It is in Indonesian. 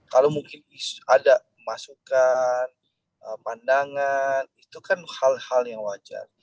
kalau mungkin ada masukan pandangan itu kan hal hal yang wajar